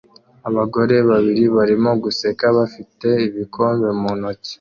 Abagore babiri barimo guseka bafite ibikombe mu ntoki